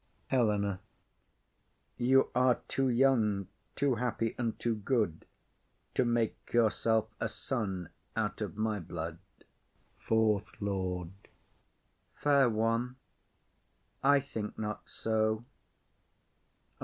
HELENA. [To fourth Lord.] You are too young, too happy, and too good, To make yourself a son out of my blood. FOURTH LORD. Fair one, I think not so.